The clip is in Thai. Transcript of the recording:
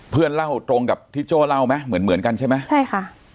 เพื่อนเล่าตรงกับที่โจ้เล่าไหมเหมือนเหมือนกันใช่ไหมใช่ค่ะ